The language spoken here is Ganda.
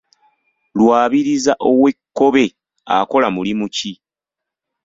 Lwabiriza ow’e Kkobe akola mulimu ki?